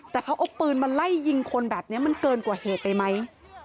แต่เขาเอาปืนมาไล่ยิงคนแบบนี้มันเกินกว่าเหตุไปไหม